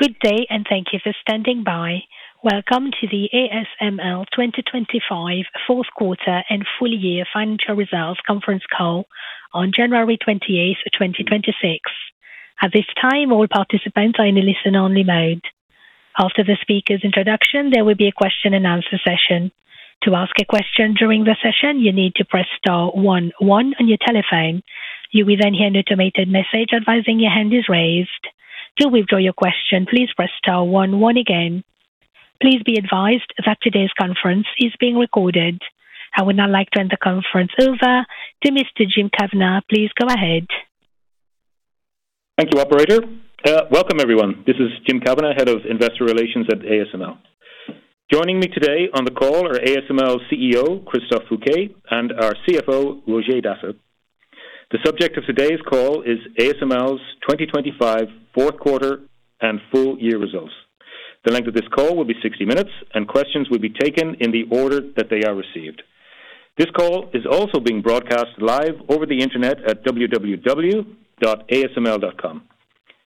Good day, and thank you for standing by. Welcome to the ASML 2025 Fourth Quarter and Full Year Financial Results Conference Call on January 28th, 2026. At this time, all participants are in a listen-only mode. After the speaker's introduction, there will be a question-and-answer session. To ask a question during the session, you need to press star one one on your telephone. You will then hear an automated message advising your hand is raised. To withdraw your question, please press star one one again. Please be advised that today's conference is being recorded. I would now like to hand the conference over to Mr. Jim Kavanaugh. Please go ahead. Thank you, operator. Welcome, everyone. This is Jim Kavanaugh, Head of Investor Relations at ASML. Joining me today on the call are ASML CEO, Christophe Fouquet, and our CFO, Roger Dassen. The subject of today's call is ASML's 2025 fourth quarter and full year results. The length of this call will be 60 minutes, and questions will be taken in the order that they are received. This call is also being broadcast live over the internet at www.asml.com.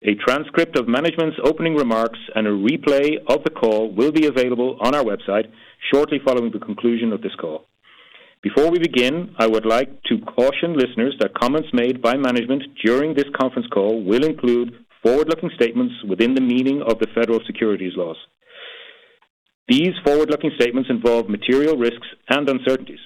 A transcript of management's opening remarks and a replay of the call will be available on our website shortly following the conclusion of this call. Before we begin, I would like to caution listeners that comments made by management during this conference call will include forward-looking statements within the meaning of the federal securities laws. These forward-looking statements involve material risks and uncertainties.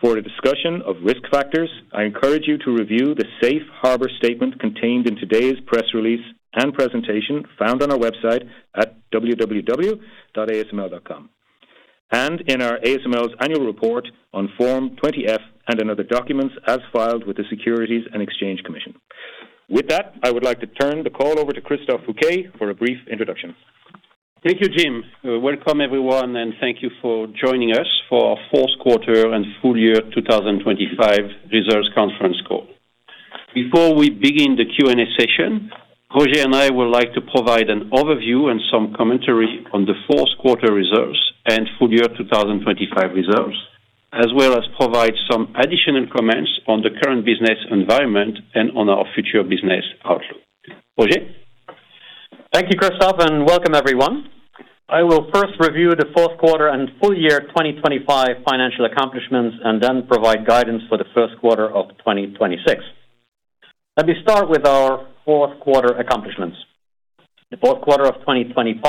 For a discussion of risk factors, I encourage you to review the safe harbor statement contained in today's press release and presentation found on our website at www.asml.com, and in our ASML's annual report on Form 20-F and in other documents as filed with the Securities and Exchange Commission. With that, I would like to turn the call over to Christophe Fouquet for a brief introduction. Thank you, Jim. Welcome, everyone, and thank you for joining us for our fourth quarter and full year 2025 results conference call. Before we begin the Q&A session, Roger and I would like to provide an overview and some commentary on the fourth quarter results and full year 2025 results, as well as provide some additional comments on the current business environment and on our future business outlook. Roger? Thank you, Christophe, and welcome everyone. I will first review the fourth quarter and full year 2025 financial accomplishments and then provide guidance for the first quarter of 2026. Let me start with our fourth quarter accomplishments. The fourth quarter of 2025,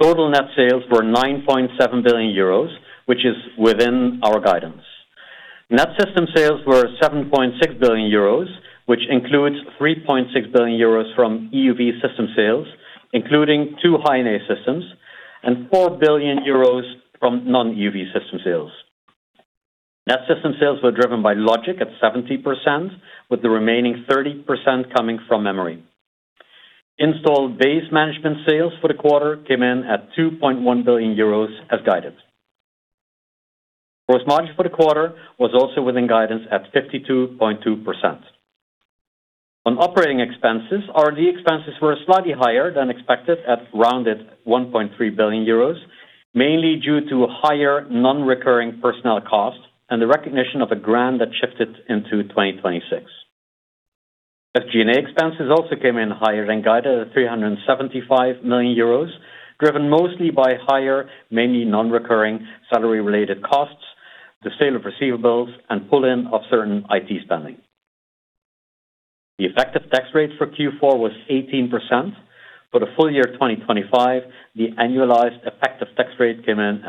total net sales were 9.7 billion euros, which is within our guidance. Net system sales were 7.6 billion euros, which includes 3.6 billion euros from EUV system sales, including 2 high NA systems, and 4 billion euros from non-EUV system sales. Net system sales were driven by logic at 70%, with the remaining 30% coming from memory. Installed base management sales for the quarter came in at 2.1 billion euros as guided. Gross margin for the quarter was also within guidance at 52.2%. On operating expenses, our expenses were slightly higher than expected at rounded 1.3 billion euros, mainly due to higher non-recurring personnel costs and the recognition of a grant that shifted into 2026. SG&A expenses also came in higher than guided at 375 million euros, driven mostly by higher, mainly non-recurring salary-related costs, the sale of receivables, and pull-in of certain IT spending. The effective tax rate for Q4 was 18%. For the full year 2025, the annualized effective tax rate came in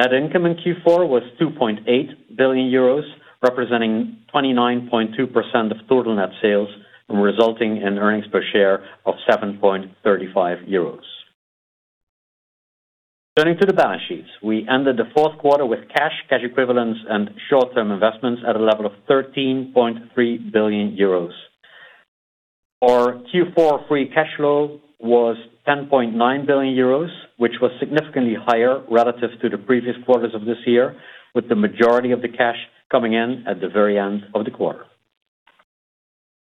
at 17.7%. Net income in Q4 was 2.8 billion euros, representing 29.2% of total net sales, and resulting in earnings per share of 7.35 euros. Turning to the balance sheets, we ended the fourth quarter with cash, cash equivalents, and short-term investments at a level of 13.3 billion euros. Our Q4 free cash flow was 10.9 billion euros, which was significantly higher relative to the previous quarters of this year, with the majority of the cash coming in at the very end of the quarter.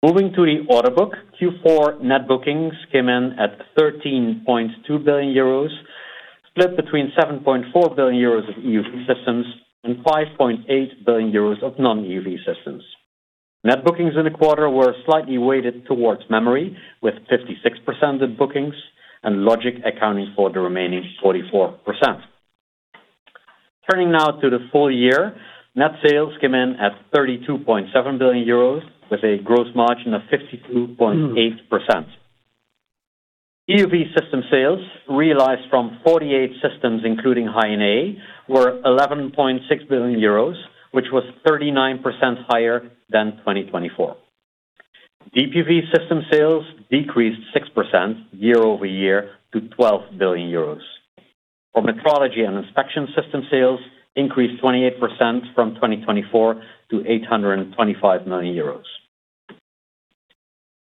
Moving to the order book, Q4 net bookings came in at 13.2 billion euros, split between 7.4 billion euros of EUV systems and 5.8 billion euros of non-EUV systems. Net bookings in the quarter were slightly weighted towards memory, with 56% of bookings and logic accounting for the remaining 44%. Turning now to the full year, net sales came in at 32.7 billion euros, with a gross margin of 52.8%. EUV system sales realized from 48 systems, including High NA, were 11.6 billion euros, which was 39% higher than 2024. DUV system sales decreased 6% year-over-year to 12 billion euros, while metrology and inspection system sales increased 28% from 2024 to 825 million euros.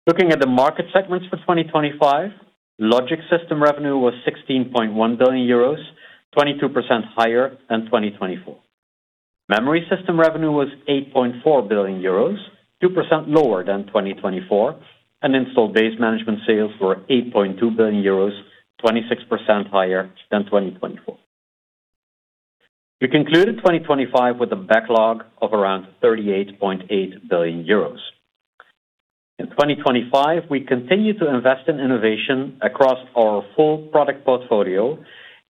Looking at the market segments for 2025, logic system revenue was 16.1 billion euros, 22% higher than 2024. Memory system revenue was 8.4 billion euros, 2% lower than 2024, and installed base management sales were 8.2 billion euros, 26% higher than 2024. We concluded 2025 with a backlog of around 38.8 billion euros. In 2025, we continued to invest in innovation across our full product portfolio,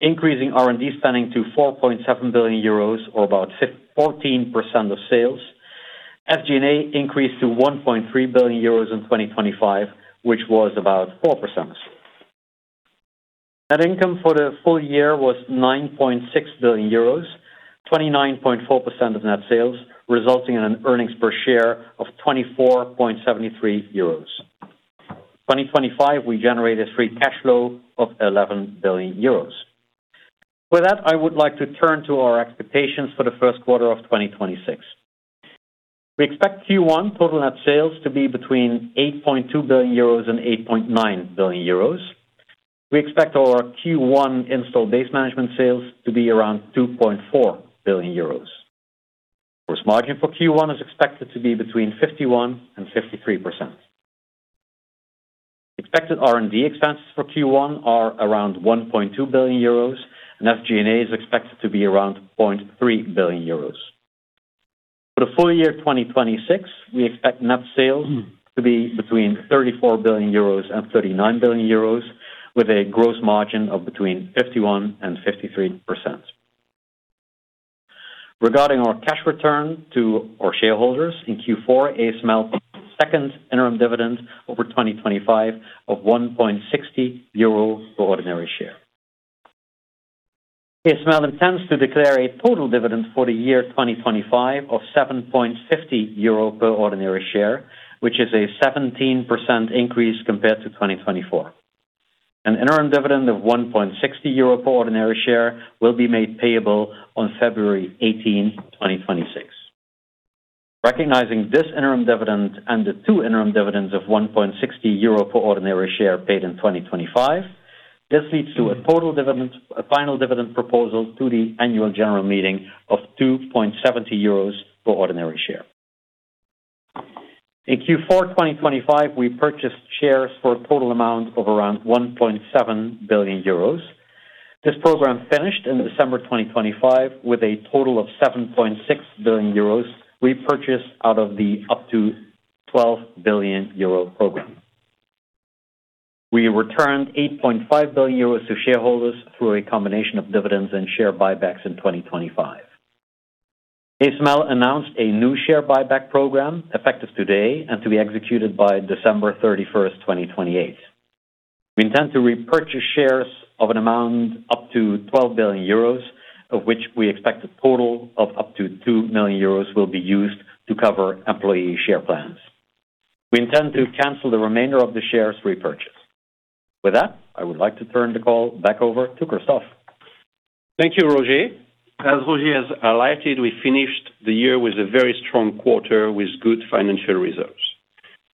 increasing R&D spending to 4.7 billion euros, or about 14% of sales. SG&A increased to 1.3 billion euros in 2025, which was about 4%. Net income for the full year was 9.6 billion euros, 29.4% of net sales, resulting in an earnings per share of 24.73 euros. In 2025, we generated free cash flow of 11 billion euros. With that, I would like to turn to our expectations for the first quarter of 2026. We expect Q1 total net sales to be between 8.2 billion euros and 8.9 billion euros. We expect our Q1 installed base management sales to be around 2.4 billion euros. Gross margin for Q1 is expected to be between 51% and 53%. Expected R&D expenses for Q1 are around 1.2 billion euros, and SG&A is expected to be around 0.3 billion euros. For the full year 2026, we expect net sales to be between 34 billion euros and 39 billion euros, with a gross margin of between 51% and 53%. Regarding our cash return to our shareholders, in Q4, ASML's second interim dividend over 2025 of 1.60 euro per ordinary share. ASML intends to declare a total dividend for the year 2025 of 7.50 euro per ordinary share, which is a 17% increase compared to 2024. An interim dividend of 1.60 euro per ordinary share will be made payable on February eighteenth, 2026. Recognizing this interim dividend and the two interim dividends of 1.60 euro per ordinary share paid in 2025, this leads to a total dividend, a final dividend proposal to the annual general meeting of 2.70 euros per ordinary share. In Q4 2025, we purchased shares for a total amount of around 1.7 billion euros. This program finished in December 2025, with a total of 7.6 billion euros we purchased out of the up to 12 billion euro program. We returned 8.5 billion euros to shareholders through a combination of dividends and share buybacks in 2025. ASML announced a new share buyback program, effective today, and to be executed by December 31st, 2028. We intend to repurchase shares of an amount up to 12 billion euros, of which we expect a total of up to 2 million euros will be used to cover employee share plans. We intend to cancel the remainder of the shares repurchased. With that, I would like to turn the call back over to Christophe. Thank you, Roger. As Roger has highlighted, we finished the year with a very strong quarter with good financial results.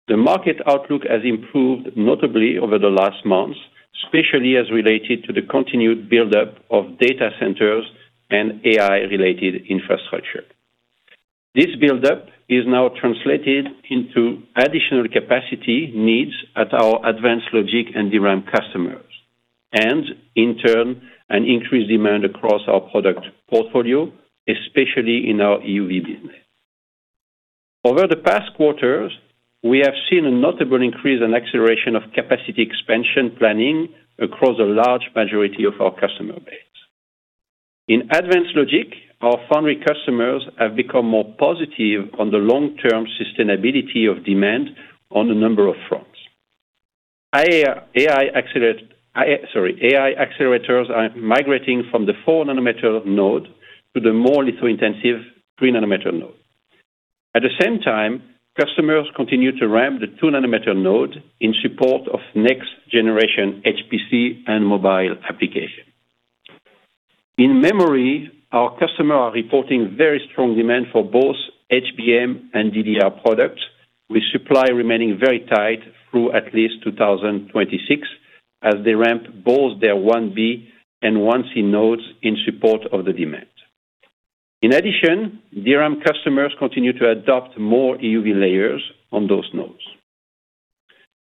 The market outlook has improved notably over the last months, especially as related to the continued buildup of data centers and AI-related infrastructure. This buildup is now translated into additional capacity needs at our advanced logic and DRAM customers, and in turn, an increased demand across our product portfolio, especially in our EUV business. Over the past quarters, we have seen a notable increase and acceleration of capacity expansion planning across a large majority of our customer base. In advanced logic, our foundry customers have become more positive on the long-term sustainability of demand on a number of fronts. Sorry. AI accelerators are migrating from the 4-nanometer node to the more litho-intensive 3-nanometer node. At the same time, customers continue to ramp the 2nm node in support of next-generation HPC and mobile application. In memory, our customers are reporting very strong demand for both HBM and DDR products, with supply remaining very tight through at least 2026, as they ramp both their 1B and 1C nodes in support of the demand. In addition, DRAM customers continue to adopt more EUV layers on those nodes.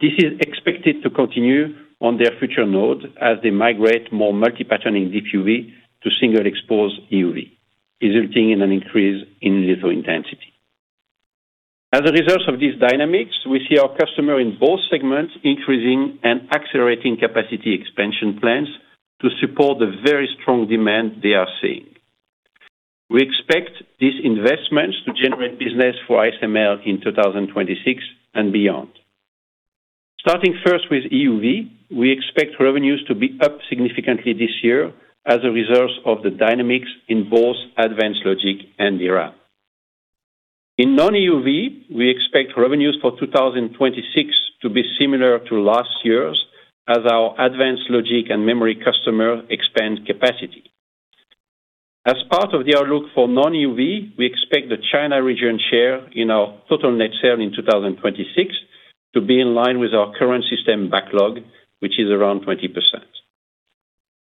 This is expected to continue on their future nodes as they migrate more multi-patterning DUV to single expose EUV, resulting in an increase in litho intensity. As a result of these dynamics, we see our customer in both segments increasing and accelerating capacity expansion plans to support the very strong demand they are seeing. We expect these investments to generate business for ASML in 2026 and beyond. Starting first with EUV, we expect revenues to be up significantly this year as a result of the dynamics in both advanced logic and DRAM. In non-EUV, we expect revenues for 2026 to be similar to last year's, as our advanced logic and memory customer expand capacity. As part of the outlook for non-EUV, we expect the China region share in our total net sale in 2026 to be in line with our current system backlog, which is around 20%.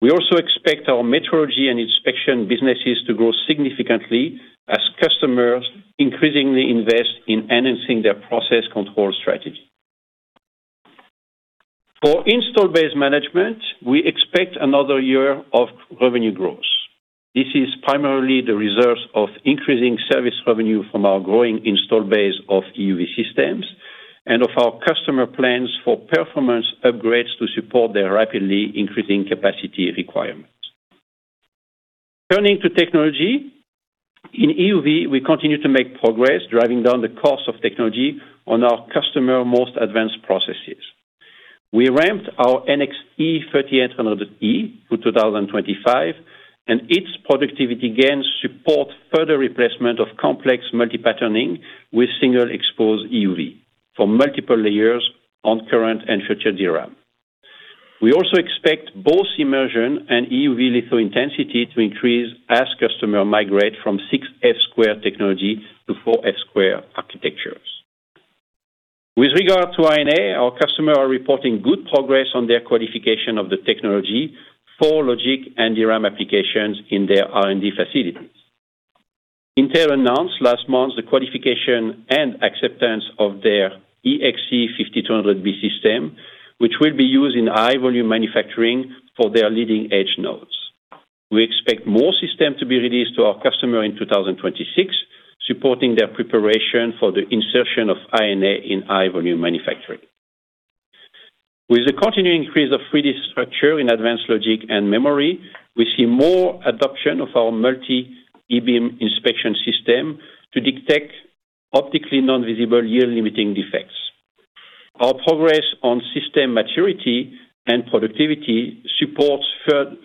We also expect our metrology and inspection businesses to grow significantly as customers increasingly invest in enhancing their process control strategy. For installed base management, we expect another year of revenue growth. This is primarily the result of increasing service revenue from our growing installed base of EUV systems and of our customer plans for performance upgrades to support their rapidly increasing capacity requirements. Turning to technology, in EUV, we continue to make progress, driving down the cost of technology on our customers' most advanced processes. We ramped our NXE:3800E for 2025, and its productivity gains support further replacement of complex multi-patterning with single expose EUV for multiple layers on current and future DRAM. We also expect both immersion and EUV litho intensity to increase as customers migrate from 6F² technology to 4F² architectures. With regard to High NA, our customers are reporting good progress on their qualification of the technology for logic and DRAM applications in their R&D facilities. Intel announced last month the qualification and acceptance of their EXE:5200B system, which will be used in high-volume manufacturing for their leading-edge nodes. We expect more systems to be released to our customer in 2026, supporting their preparation for the insertion of High NA in high-volume manufacturing. With the continuing increase of 3D structure in advanced logic and memory, we see more adoption of our multi-beam e-beam inspection system to detect optically non-visible yield-limiting defects. Our progress on system maturity and productivity supports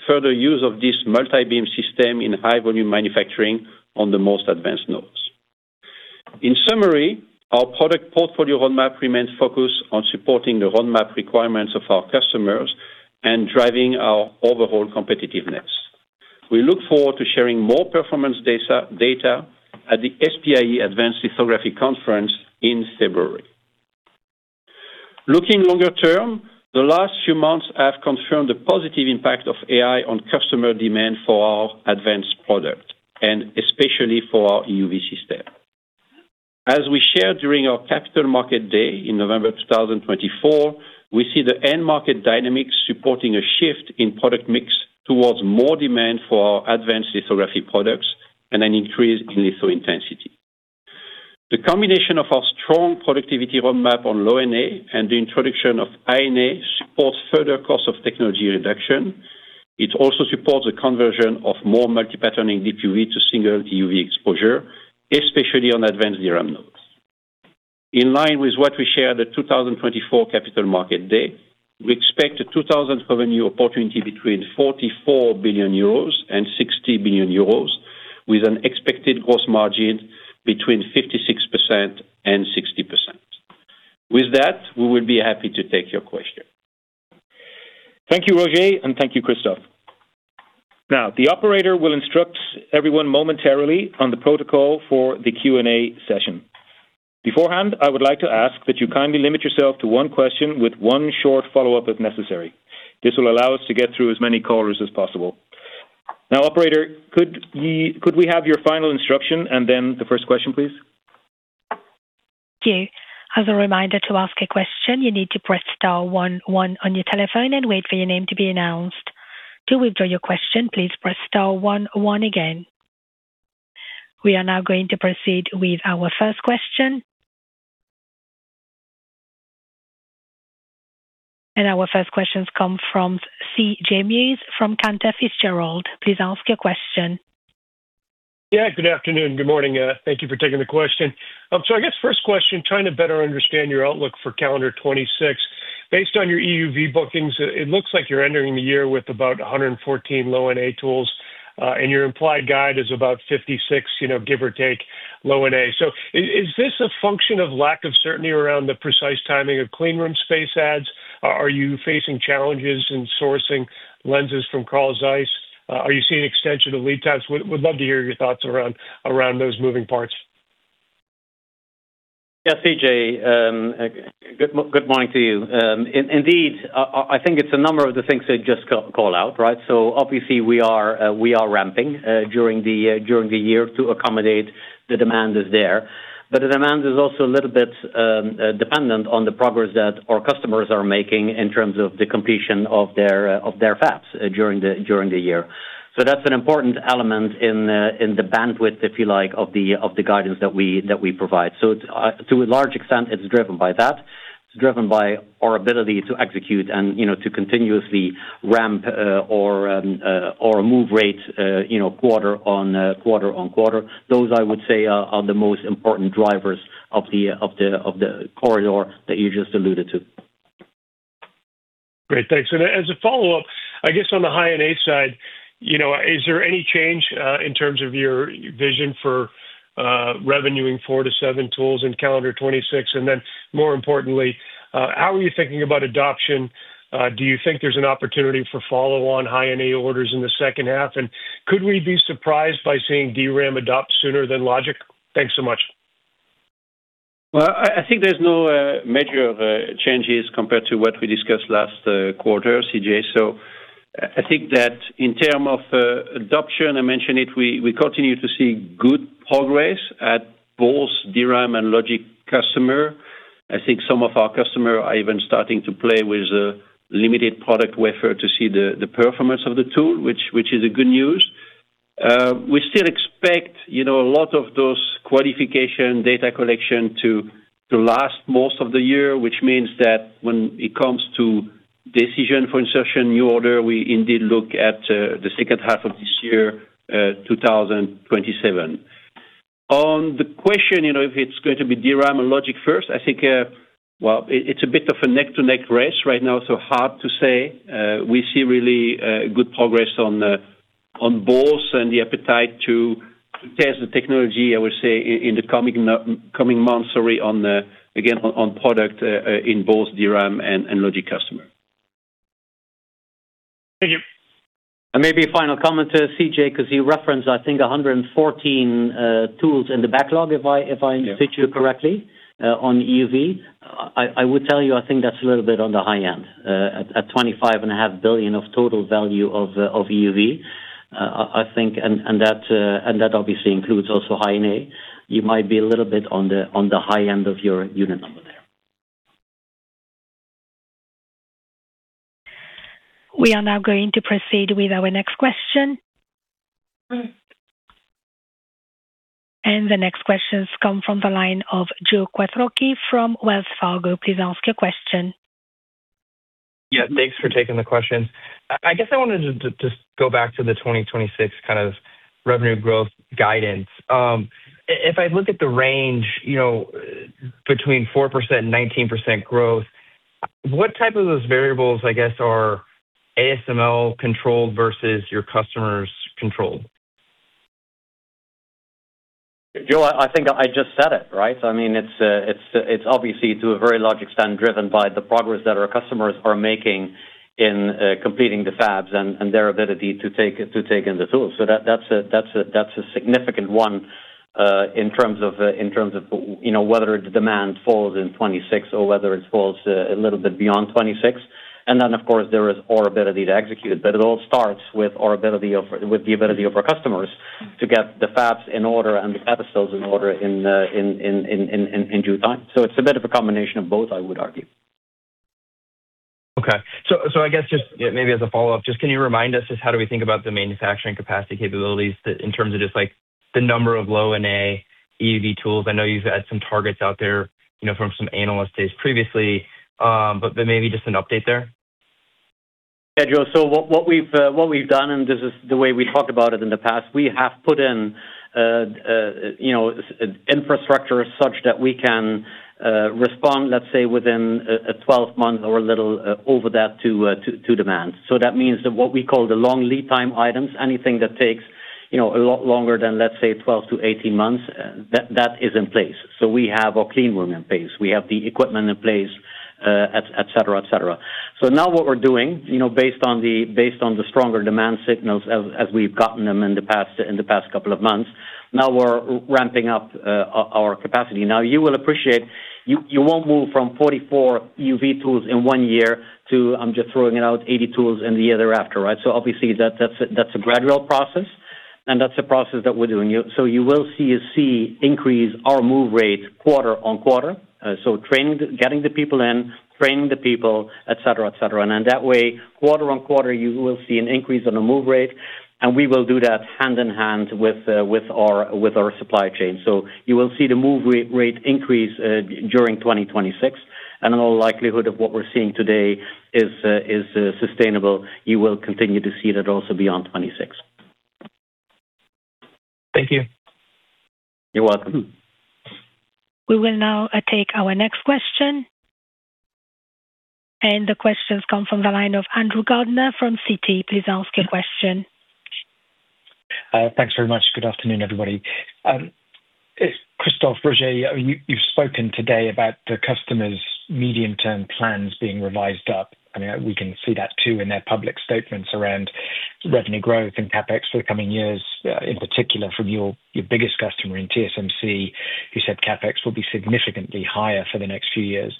further use of this multi-beam system in high-volume manufacturing on the most advanced nodes. In summary, our product portfolio roadmap remains focused on supporting the roadmap requirements of our customers and driving our overall competitiveness. We look forward to sharing more performance data at the SPIE Advanced Lithography Conference in February. Looking longer term, the last few months have confirmed the positive impact of AI on customer demand for our advanced product, and especially for our EUV system. As we shared during our Capital Markets Day in November 2024, we see the end market dynamics supporting a shift in product mix towards more demand for our advanced lithography products and an increase in litho intensity. The combination of our strong productivity roadmap on Low NA and the introduction of High NA supports further cost of technology reduction. It also supports the conversion of more multi-patterning DUV to single DUV exposure, especially on advanced DRAM nodes. In line with what we shared at the 2024 Capital Markets Day, we expect a 2025 revenue opportunity between 44 billion euros and 60 billion euros, with an expected gross margin between 56% and 60%. With that, we will be happy to take your question. Thank you, Roger, and thank you, Christophe. Now, the operator will instruct everyone momentarily on the protocol for the Q&A session. Beforehand, I would like to ask that you kindly limit yourself to one question with one short follow-up, if necessary. This will allow us to get through as many callers as possible. Now, operator, could we have your final instruction and then the first question, please? Thank you. As a reminder, to ask a question, you need to press star one one on your telephone and wait for your name to be announced. To withdraw your question, please press star one one again. We are now going to proceed with our first question. Our first questions come from C.J. Muse from Cantor Fitzgerald. Please ask your question. Yeah, good afternoon. Good morning, thank you for taking the question. So I guess first question, trying to better understand your outlook for calendar 2026. Based on your EUV bookings, it looks like you're entering the year with about 114 Low-NA tools, and your implied guide is about 56, you know, give or take, Low-NA. Is this a function of lack of certainty around the precise timing of cleanroom space adds? Are you facing challenges in sourcing lenses from Carl Zeiss? Are you seeing extension of lead times? Would love to hear your thoughts around those moving parts. Yeah, C.J., good morning to you. Indeed, I think it's a number of the things that just call out, right? So obviously we are, we are ramping, during the, during the year to accommodate the demand is there. But the demand is also a little bit, dependent on the progress that our customers are making in terms of the completion of their, of their fabs, during the, during the year. So that's an important element in, in the bandwidth, if you like, of the, of the guidance that we, that we provide. So to a large extent, it's driven by that. It's driven by our ability to execute and, you know, to continuously ramp, or, or move rate, you know, quarter on, quarter on quarter. Those, I would say, are the most important drivers of the corridor that you just alluded to. Great, thanks. And as a follow-up, I guess on the High-NA side, you know, is there any change in terms of your vision for revenuing 4-7 tools in calendar 2026? And then, more importantly, how are you thinking about adoption? Do you think there's an opportunity for follow-on High-NA orders in the second half? And could we be surprised by seeing DRAM adopt sooner than Logic? Thanks so much. Well, I think there's no major changes compared to what we discussed last quarter, C.J. So- ... I think that in term of adoption, I mentioned it, we continue to see good progress at both DRAM and logic customer. I think some of our customer are even starting to play with the limited product wafer to see the performance of the tool, which is a good news. We still expect, you know, a lot of those qualification data collection to last most of the year, which means that when it comes to decision for insertion new order, we indeed look at the second half of this year, 2027. On the question, you know, if it's going to be DRAM or logic first, I think, well, it, it's a bit of a neck-to-neck race right now, so hard to say. We see really good progress on both and the appetite to test the technology, I would say, in the coming months, sorry, on the product, again, in both DRAM and logic customer. Thank you. Maybe a final comment to C.J., 'cause you referenced, I think, 114 tools in the backlog, if I- Yeah If I quote you correctly on EUV. I would tell you, I think that's a little bit on the high end. At 25.5 billion of total value of EUV. I think, and that obviously includes also High NA. You might be a little bit on the high end of your unit number there. We are now going to proceed with our next question. The next questions come from the line of Joe Quatrochi from Wells Fargo. Please ask your question. Yeah, thanks for taking the questions. I guess I wanted to just go back to the 2026 kind of revenue growth guidance. If I look at the range, you know, between 4% and 19% growth, what type of those variables, I guess, are ASML controlled versus your customers controlled? Joe, I think I just said it, right? I mean, it's obviously to a very large extent driven by the progress that our customers are making in completing the fabs and their ability to take in the tools. So that's a significant one in terms of, you know, whether the demand falls in 2026 or whether it falls a little bit beyond 2026. And then, of course, there is our ability to execute. But it all starts with the ability of our customers to get the fabs in order and the capitals in order in due time. So it's a bit of a combination of both, I would argue. Okay. So, I guess just, yeah, maybe as a follow-up, just can you remind us, just how do we think about the manufacturing capacity capabilities in terms of just, like, the number of Low NA EUV tools? I know you've had some targets out there, you know, from some analyst days previously, but maybe just an update there. Yeah, Joe, so what we've done, and this is the way we talked about it in the past, we have put in, you know, infrastructure as such that we can respond, let's say, within a 12-month or a little over that to demand. So that means that what we call the long lead time items, anything that takes, you know, a lot longer than, let's say, 12 to 18 months, that is in place. So we have our cleanroom in place, we have the equipment in place, et cetera, et cetera. So now what we're doing, you know, based on the stronger demand signals as we've gotten them in the past couple of months, now we're ramping up our capacity. Now, you will appreciate, you won't move from 44 EUV tools in one year to, I'm just throwing it out, 80 tools in the year thereafter, right? So obviously, that's a gradual process, and that's a process that we're doing. So you will see an increase in our move rate quarter on quarter. So getting the people in, training the people, et cetera, et cetera. And then that way, quarter on quarter, you will see an increase in the move rate, and we will do that hand-in-hand with our supply chain. So you will see the move rate increase during 2026, and in all likelihood, what we're seeing today is sustainable. You will continue to see that also beyond 2026. Thank you. You're welcome. We will now take our next question. The questions come from the line of Andrew Gardiner from Citi. Please ask your question. Thanks very much. Good afternoon, everybody. Christophe, Roger, you've spoken today about the customer's medium-term plans being revised up. I mean, we can see that too in their public statements around revenue growth and CapEx for the coming years, in particular from your biggest customer, TSMC, who said CapEx will be significantly higher for the next few years.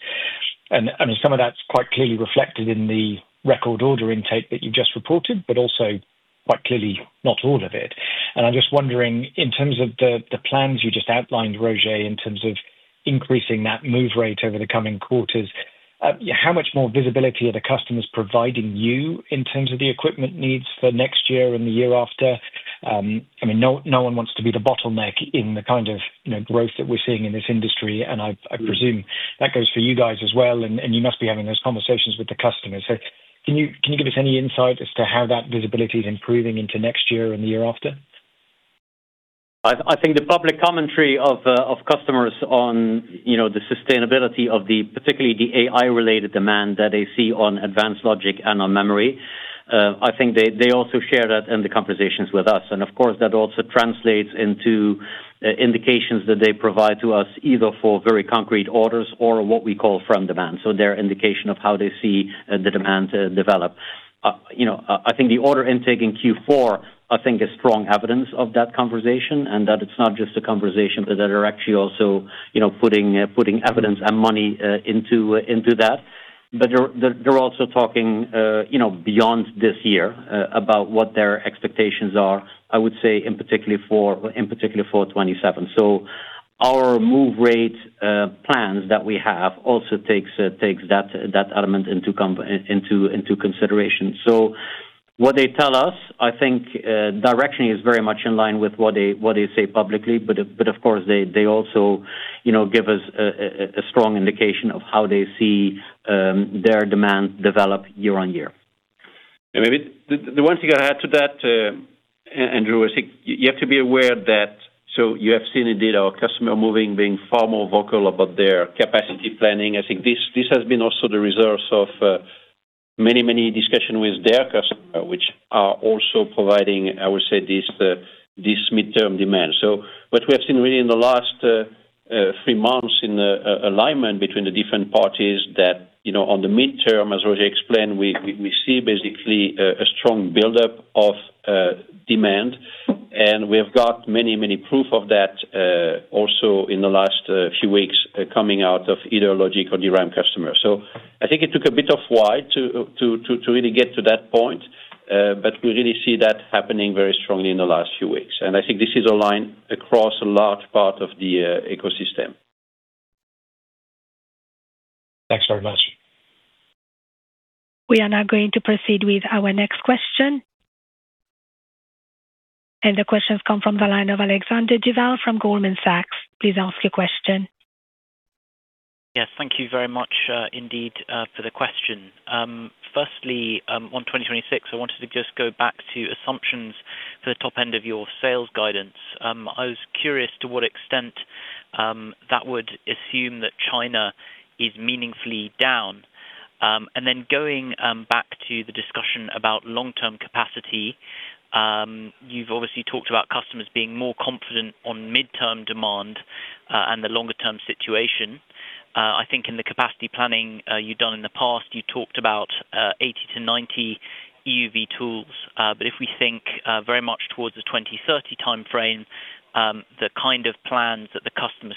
I mean, some of that's quite clearly reflected in the record order intake that you just reported, but also quite clearly, not all of it. I'm just wondering, in terms of the plans you just outlined, Roger, in terms of increasing that move rate over the coming quarters, how much more visibility are the customers providing you in terms of the equipment needs for next year and the year after? I mean, no one wants to be the bottleneck in the kind of, you know, growth that we're seeing in this industry, and I presume that goes for you guys as well, and you must be having those conversations with the customers. So can you give us any insight as to how that visibility is improving into next year and the year after? I, I think the public commentary of, of customers on, you know, the sustainability of the, particularly the AI-related demand that they see on advanced logic and on memory, I think they, they also share that in the conversations with us. And of course, that also translates into, indications that they provide to us, either for very concrete orders or what we call from demand, so their indication of how they see, the demand, develop. You know, I, I think the order intake in Q4, I think, is strong evidence of that conversation and that it's not just a conversation, but that they're actually also, you know, putting, putting evidence and money, into, into that... But they're also talking, you know, beyond this year, about what their expectations are, I would say, in particular for 27. So our move rate plans that we have also takes that element into consideration. So what they tell us, I think, directionally is very much in line with what they say publicly, but of course, they also, you know, give us a strong indication of how they see their demand develop year on year. And maybe the one thing I add to that, Andrew, I think you have to be aware that so you have seen indeed our customer moving, being far more vocal about their capacity planning. I think this has been also the results of many, many discussions with their customers, which are also providing, I would say, this midterm demand. So what we have seen really in the last three months in the alignment between the different parties that, you know, on the midterm, as Roger explained, we see basically a strong buildup of demand. And we have got many, many proof of that also in the last few weeks coming out of either logic or DRAM customers. So I think it took a bit of while to really get to that point, but we really see that happening very strongly in the last few weeks. And I think this is aligned across a large part of the ecosystem. Thanks very much. We are now going to proceed with our next question. The question comes from the line of Alexander Duval from Goldman Sachs. Please ask your question. Yes, thank you very much, indeed, for the question. Firstly, on 2026, I wanted to just go back to assumptions for the top end of your sales guidance. I was curious to what extent that would assume that China is meaningfully down. And then going back to the discussion about long-term capacity, you've obviously talked about customers being more confident on midterm demand and the longer-term situation. I think in the capacity planning you've done in the past, you talked about 80-90 EUV tools, but if we think very much towards the 2030 timeframe, the kind of plans that the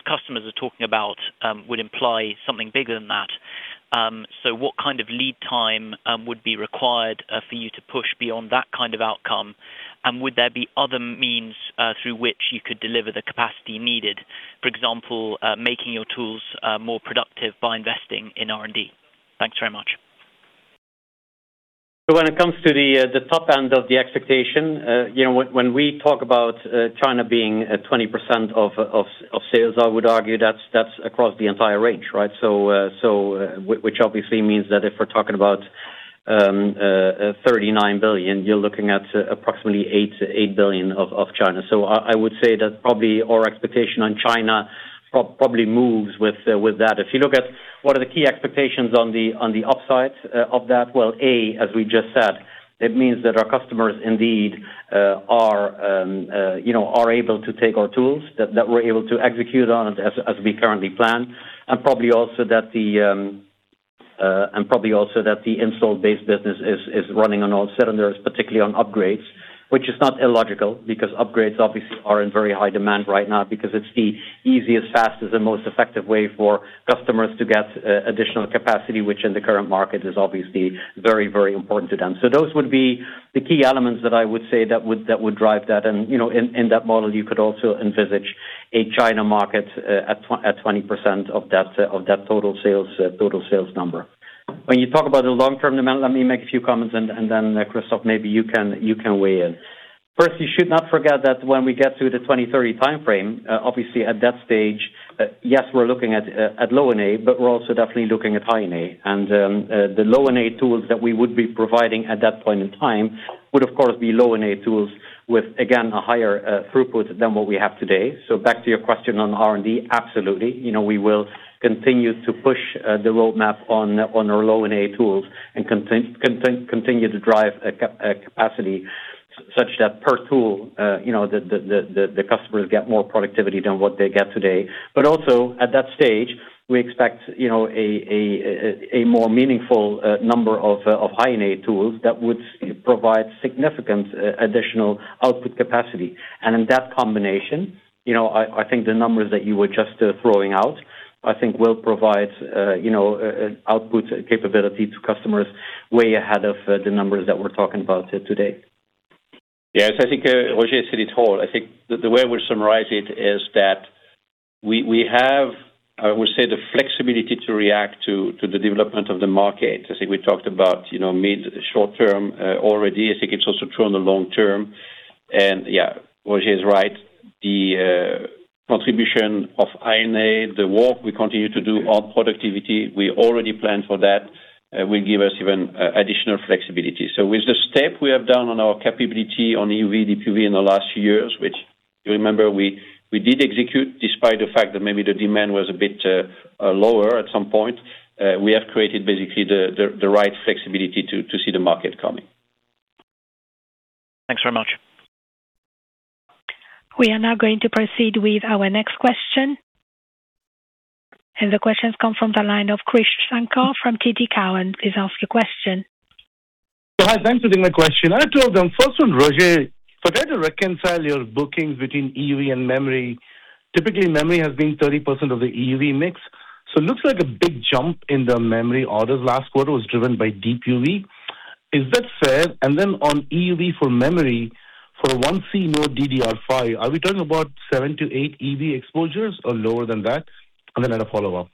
customers are talking about would imply something bigger than that. So what kind of lead time would be required for you to push beyond that kind of outcome? And would there be other means through which you could deliver the capacity needed, for example, making your tools more productive by investing in R&D? Thanks very much. So when it comes to the top end of the expectation, you know, when we talk about China being at 20% of sales, I would argue that's across the entire range, right? So which obviously means that if we're talking about 39 billion, you're looking at approximately 8 billion of China. So I would say that probably our expectation on China probably moves with that. If you look at what are the key expectations on the upside of that? Well, A, as we just said, it means that our customers indeed, you know, are able to take our tools, that we're able to execute on as we currently plan, and probably also that the installed base business is running on all cylinders, particularly on upgrades. Which is not illogical, because upgrades obviously are in very high demand right now, because it's the easiest, fastest, and most effective way for customers to get additional capacity, which in the current market is obviously very, very important to them. So those would be the key elements that I would say that would drive that. And, you know, in that model, you could also envisage a China market at 20% of that total sales number. When you talk about the long-term demand, let me make a few comments, and then, Christophe, maybe you can weigh in. First, you should not forget that when we get to the 2030 timeframe, obviously at that stage, yes, we're looking at low NA, but we're also definitely looking at high NA. And, the low NA tools that we would be providing at that point in time would of course be low NA tools with, again, a higher throughput than what we have today. So back to your question on R&D, absolutely. You know, we will continue to push the roadmap on our Low NA tools and continue to drive capacity such that per tool, you know, the customers get more productivity than what they get today. But also, at that stage, we expect, you know, a more meaningful number of High NA tools that would provide significant additional output capacity. And in that combination, you know, I think the numbers that you were just throwing out, I think will provide, you know, output capability to customers way ahead of the numbers that we're talking about today. Yes, I think Roger said it all. I think the way I would summarize it is that we have, I would say, the flexibility to react to the development of the market. I think we talked about, you know, mid short term already. I think it's also true on the long term. And yeah, Roger is right. The contribution of High NA, the work we continue to do on productivity, we already planned for that, will give us even additional flexibility. So with the step we have done on our capability on EUV, DUV in the last few years, which you remember, we did execute despite the fact that maybe the demand was a bit lower at some point, we have created basically the right flexibility to see the market coming. Thanks very much. We are now going to proceed with our next question. The question comes from the line of Krish Sankar from TD Cowen. Please ask your question.... So hi, thanks for taking my question. I have two of them. First one, Roger, for there to reconcile your bookings between EUV and memory, typically memory has been 30% of the EUV mix, so it looks like a big jump in the memory orders last quarter was driven by DUV. Is that fair? And then on EUV for memory, for the 1C node DDR5, are we talking about 7-8 EUV exposures or lower than that? And then I had a follow-up.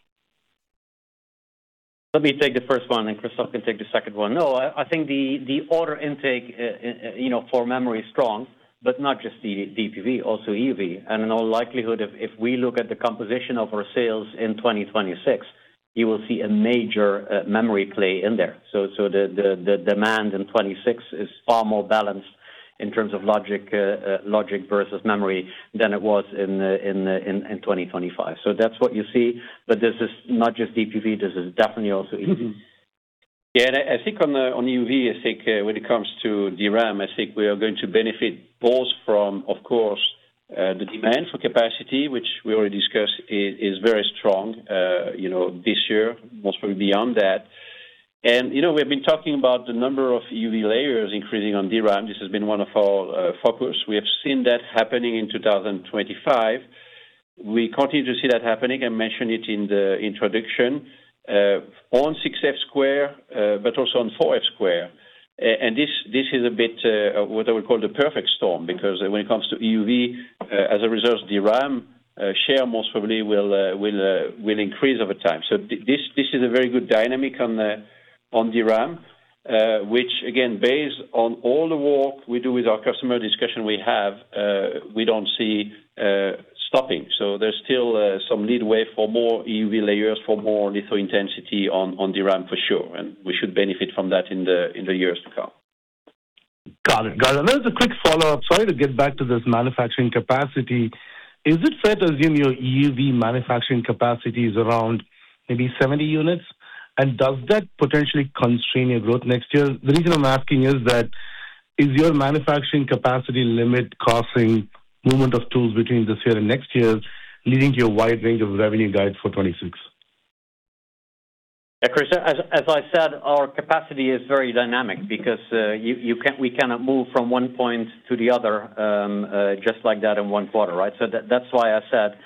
Let me take the first one, and Christophe can take the second one. No, I think the order intake, you know, for memory is strong, but not just the DUV, also EUV. And in all likelihood, if we look at the composition of our sales in 2026, you will see a major memory play in there. So the demand in 2026 is far more balanced in terms of logic, logic versus memory than it was in 2025. So that's what you see. But this is not just DUV, this is definitely also EUV. Yeah, and I think on the, on EUV, I think when it comes to DRAM, I think we are going to benefit both from, of course, the demand for capacity, which we already discussed, is very strong, you know, this year, most probably beyond that. And, you know, we have been talking about the number of EUV layers increasing on DRAM. This has been one of our focus. We have seen that happening in 2025. We continue to see that happening and mentioned it in the introduction, on 6F², but also on 4F². And this is a bit, what I would call the perfect storm, because when it comes to EUV, as a result, DRAM share most probably will increase over time. So this, this is a very good dynamic on the, on DRAM, which again, based on all the work we do with our customer discussion we have, we don't see stopping. So there's still, some leeway for more EUV layers, for more litho intensity on, on DRAM for sure, and we should benefit from that in the, in the years to come. Got it. Got it. And there's a quick follow-up. Sorry to get back to this manufacturing capacity. Is it fair to assume your EUV manufacturing capacity is around maybe 70 units? And does that potentially constrain your growth next year? The reason I'm asking is that is your manufacturing capacity limit causing movement of tools between this year and next year, leading to a wide range of revenue guides for 2026? Yeah, Chris, as I said, our capacity is very dynamic because you can't-- we cannot move from one point to the other just like that in one quarter, right? So that's why I said,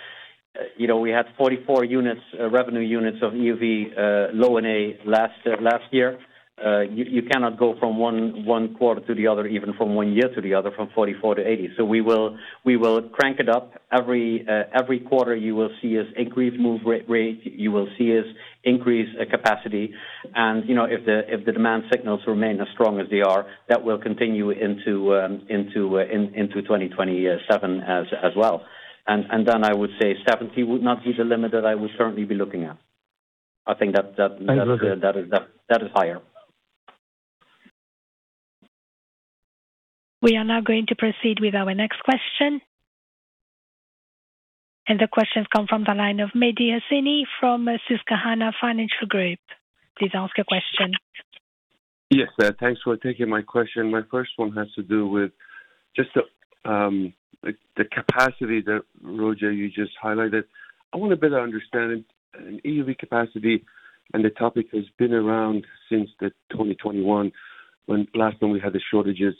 you know, we had 44 units, revenue units of EUV Low NA last year. You cannot go from one quarter to the other, even from one year to the other, from 44 to 80. So we will crank it up. Every quarter, you will see us increase ramp rate, you will see us increase capacity. And, you know, if the demand signals remain as strong as they are, that will continue into 2027 as well. Then I would say 70 would not be the limit that I would currently be looking at. I think that, that- I look at- That is higher. We are now going to proceed with our next question. The question comes from the line of Mehdi Hosseini from Susquehanna Financial Group. Please ask your question. Yes, thanks for taking my question. My first one has to do with just the capacity that, Roger, you just highlighted. I want a better understanding in EUV capacity, and the topic has been around since 2021, when last time we had the shortages.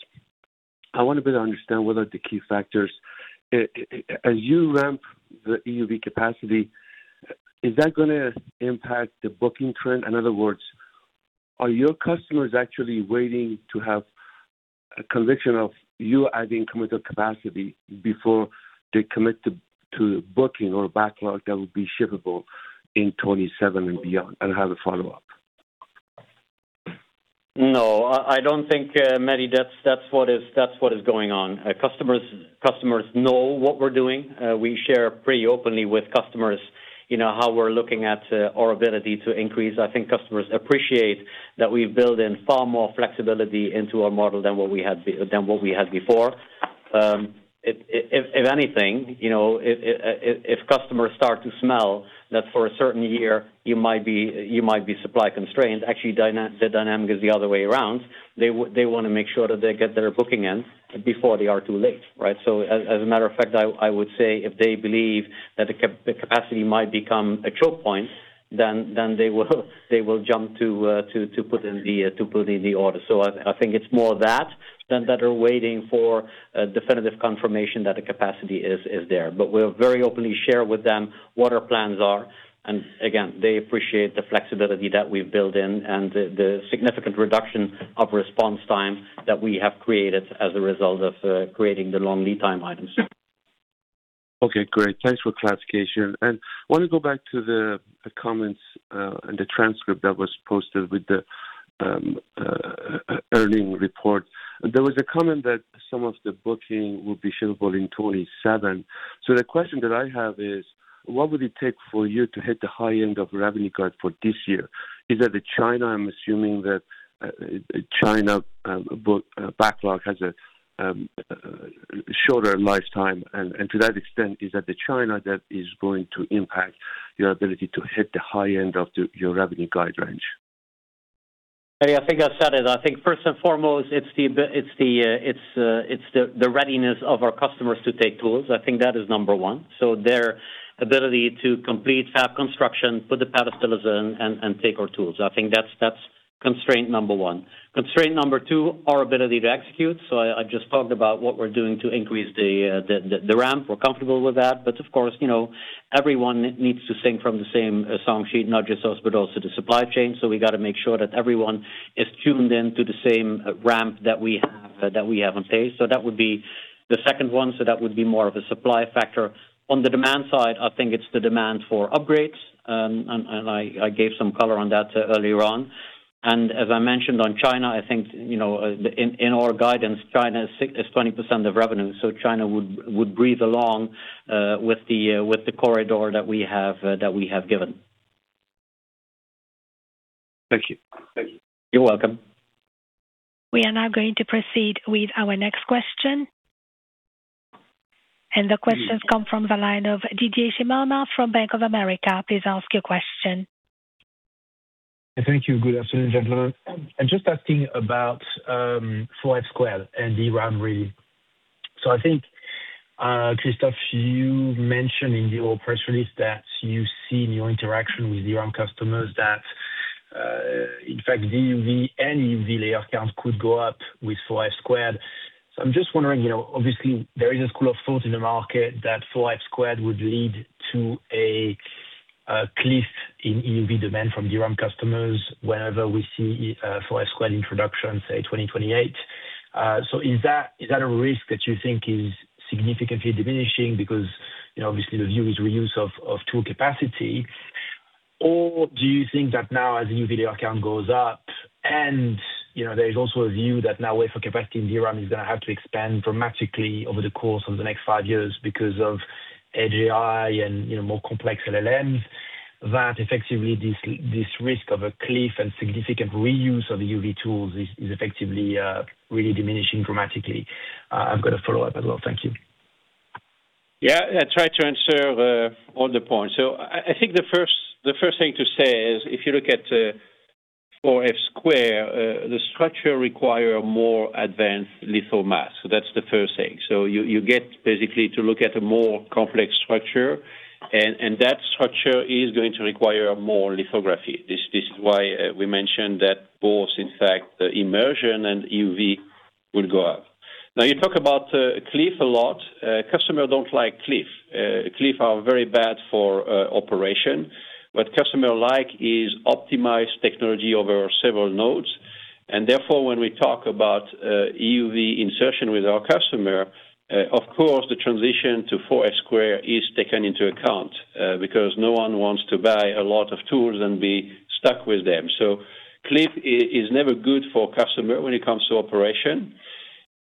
I want to better understand what are the key factors. As you ramp the EUV capacity, is that gonna impact the booking trend? In other words, are your customers actually waiting to have a conviction of you adding committed capacity before they commit to booking or backlog that would be shippable in 2027 and beyond? And I have a follow-up. No, I don't think, Mehdi, that's what is going on. Customers know what we're doing. We share pretty openly with customers, you know, how we're looking at our ability to increase. I think customers appreciate that we build in far more flexibility into our model than what we had before. If anything, you know, if customers start to smell that for a certain year, you might be supply constrained, actually the dynamic is the other way around. They wanna make sure that they get their booking in before they are too late, right? So, as a matter of fact, I would say if they believe that the capacity might become a choke point, then they will jump to put in the order. So I think it's more that than that they are waiting for a definitive confirmation that the capacity is there. But we're very openly share with them what our plans are, and again, they appreciate the flexibility that we've built in and the significant reduction of response time that we have created as a result of creating the long lead time items. Okay, great. Thanks for clarification. I want to go back to the comments, and the transcript that was posted with the earnings report. There was a comment that some of the booking would be shippable in 2027. So the question that I have is: What would it take for you to hit the high end of revenue guide for this year? Is that the China? I'm assuming that China book backlog has a shorter lifetime, and to that extent, is that the China that is going to impact your ability to hit the high end of your revenue guide range? Mehdi, I think I said it. I think first and foremost, it's the readiness of our customers to take tools. I think that is number one. So their ability to complete fab construction, put the pedestals in, and take our tools. I think that's constraint number one. Constraint number two, our ability to execute. So I just talked about what we're doing to increase the ramp. We're comfortable with that. But of course, you know, everyone needs to sing from the same song sheet, not just us, but also the supply chain. So we gotta make sure that everyone is tuned in to the same ramp that we have on pace. So that would be the second one, so that would be more of a supply factor. On the demand side, I think it's the demand for upgrades, and I gave some color on that earlier on. As I mentioned on China, I think in our guidance, China is 20% of revenue, so China would breathe along with the corridor that we have given. Thank you. Thank you. You're welcome. We are now going to proceed with our next question. The questions come from the line of Didier Scemama from Bank of America. Please ask your question. Thank you. Good afternoon, gentlemen. I'm just asking about 4F² and the DRAM really. So I think, Christophe, you mentioned in your press release that you see new interaction with your own customers, that in fact, the EUV layer count could go up with 4F². So I'm just wondering, you know, obviously, there is a school of thought in the market that 4F² would lead to a cliff in EUV demand from DRAM customers whenever we see 4F² introduction, say, 2028. So is that a risk that you think is significantly diminishing because, you know, obviously, the view is reuse of tool capacity? Or do you think that now as the NVIDIA account goes up and, you know, there is also a view that now wafer capacity in DRAM is gonna have to expand dramatically over the course of the next five years because of AGI and, you know, more complex LLMs, that effectively this, this risk of a cliff and significant reuse of EUV tools is, is effectively, really diminishing dramatically? I've got a follow-up as well. Thank you. Yeah, I'll try to answer on the point. So I think the first thing to say is, if you look at 4F², the structure requires a more advanced litho mask. So that's the first thing. So you get basically to look at a more complex structure, and that structure is going to require more lithography. This is why we mentioned that both, in fact, the immersion and EUV will go up. Now, you talk about cliff a lot. Customer don't like cliff. Cliff are very bad for operation. What customer like is optimized technology over several nodes, and therefore, when we talk about EUV insertion with our customer, of course, the transition to 4F² is taken into account, because no one wants to buy a lot of tools and be stuck with them. So cliffy is never good for customer when it comes to operation.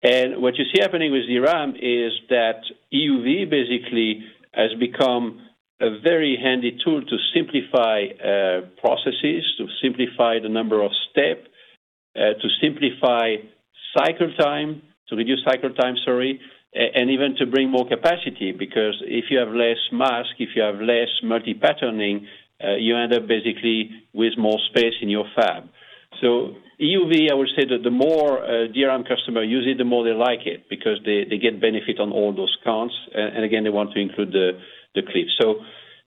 And what you see happening with DRAM is that EUV basically has become a very handy tool to simplify processes, to simplify the number of step, to simplify cycle time, to reduce cycle time, sorry, and even to bring more capacity, because if you have less mask, if you have less multi-patterning, you end up basically with more space in your fab. So EUV, I would say that the more DRAM customer use it, the more they like it, because they get benefit on all those counts. And again, they want to include the cliff. So